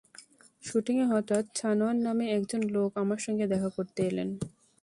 শুটিংয়ে হঠাৎ সানোয়ার নামে একজন লোক আমার সঙ্গে দেখা করতে এলেন।